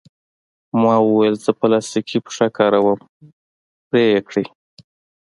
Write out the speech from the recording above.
ما وویل: زه پلاستیکي پښه کاروم، پرې یې کړئ.